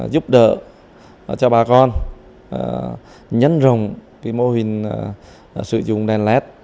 giúp đỡ cho bà con nhân rồng mô hình sử dụng đèn led